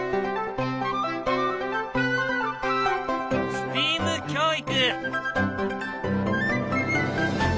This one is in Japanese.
ＳＴＥＡＭ教育。